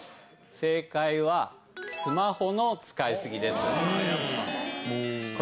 正解は、スマホの使い過ぎです。